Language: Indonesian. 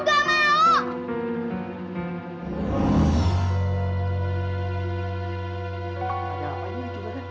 ada apa ini curagan